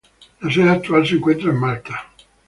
Su sede actual se encuentra en Malta.